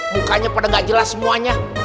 bukanya pada tidak jelas semuanya